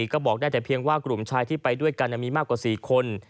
ก็บอกได้แต่เพียงว่ากลุ่มชายที่ไปด้วยกันมีมากกว่า๔คน